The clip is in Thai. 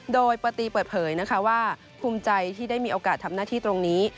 โดยปตีเปิดเผยนะคะว่าภูมิใจที่ได้มีโอกาสทำหน้าที่ตรงนี้